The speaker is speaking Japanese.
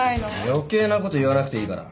余計なこと言わなくていいから。